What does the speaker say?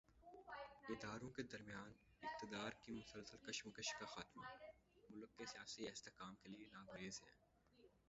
اداروں کے درمیان اقتدار کی مسلسل کشمکش کا خاتمہ، ملک کے سیاسی استحکام کے لیے ناگزیر ہے۔